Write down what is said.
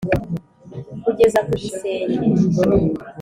kugeza ku gisenge,